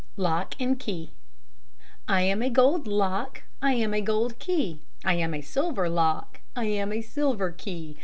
LOCK AND KEY "I am a gold lock." "I am a gold key." "I am a silver lock." "I am a silver key."